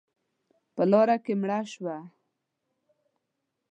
_په لاره کې مړه شوه.